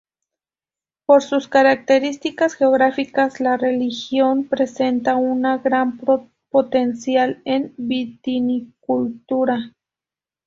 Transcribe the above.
Por sus características geográficas, la región presenta un gran potencial en vitivinicultura.